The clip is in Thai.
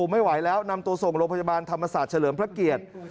ไม่ไหวแล้วนำตัวส่งโรงพยาบาลธรรมศาสตร์เฉลิมพระเกียรติ